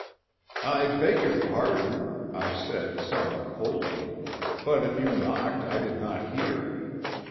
"'I beg your pardon,' I said, somewhat coldly, 'but if you knocked I did not hear.